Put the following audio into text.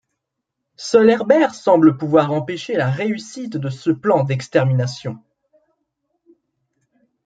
Seul Herbert semble pouvoir empêcher la réussite de ce plan d’extermination...